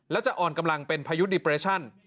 และจะอ่อนกำลังเป็นพายุดิเปรชั่น